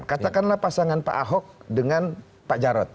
katakanlah pasangan pak ahok dengan pak jarod